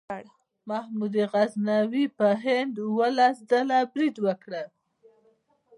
محمود غزنوي په هند اوولس ځله برید وکړ.